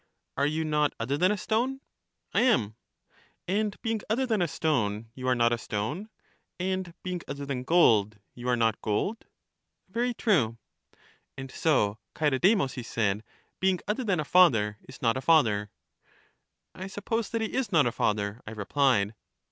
Are you not other than a stone? I am. And being other than a stone, you are not a stone ; and being other than gold, you are not gold. Very true. And so Chaeredemus, he said, being other than a father, is not a father. I suppose that he is not a father, I replied.